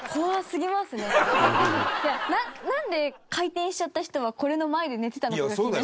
なんで回転しちゃった人はこれの前で寝てたのかなって。